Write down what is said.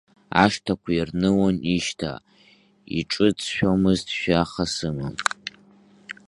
Ашҭақәа ирнылон ишьҭа, иҿыҵшәомызт Шәаха сымам.